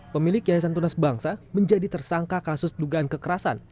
pemilik yayasan tunas bangsa menjadi tersangka kasus dugaan kekerasan